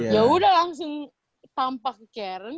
yaudah langsung tampak ke keren